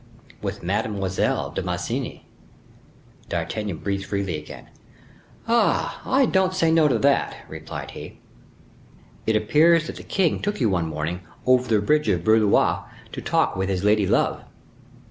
"With Mademoiselle de Mancini." D'Artagnan breathed freely again. "Ah! I don't say no to that," replied he. "It appears that the king took you one morning, over the bridge of Blois to talk with his lady love."